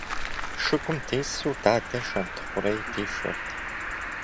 Шыгум дису дадэ Шэнтхъурей дишэрт.